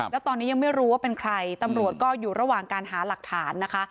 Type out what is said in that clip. แล้วตอนนี้ยังไม่รู้ว่าเป็นใครตำรวจก็อยู่ระหว่างการหาหลักฐานนะคะ